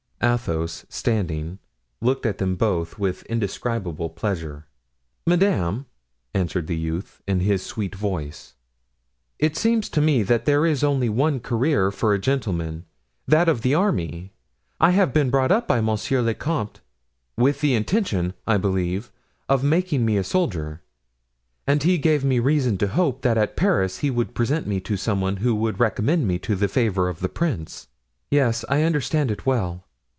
Athos, standing, looked at them both with indescribable pleasure. "Madame," answered the youth in his sweet voice, "it seems to me that there is only one career for a gentleman—that of the army. I have been brought up by monsieur le comte with the intention, I believe, of making me a soldier; and he gave me reason to hope that at Paris he would present me to some one who would recommend me to the favor of the prince." "Yes, I understand it well.